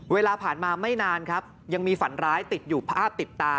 เวลาผ่านมาไม่นานครับยังมีฝันร้ายติดอยู่ภาพติดตา